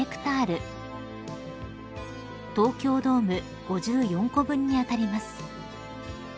［東京ドーム５４個分に当たります］